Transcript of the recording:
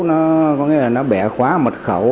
nó có nghĩa là nó bẻ khóa mật khẩu